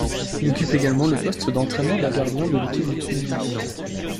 Il occupe également le poste d'entraîneur des gardiens de l'équipe de Tunisie.